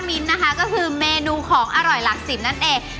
มิ้นนะคะก็คือเมนูของอร่อยหลักสิบนั่นเอง